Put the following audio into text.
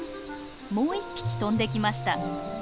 もう一匹飛んできました。